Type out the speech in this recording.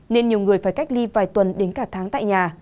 nên nhiều người phải cách ly vài tuần đến cả tháng tại nhà